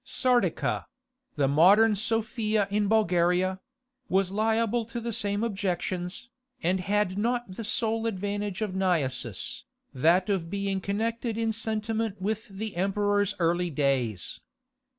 Sardica—the modern Sofia in Bulgaria—was liable to the same objections, and had not the sole advantage of Naissus, that of being connected in sentiment with the emperor's early days.